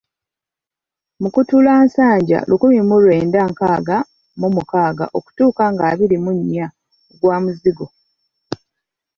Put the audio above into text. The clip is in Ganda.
Mukutulansanja lukimi mu lwenda nkaaga mu mukaaga okutuuka ng'abiri mu nnya, ogwa Muzigo.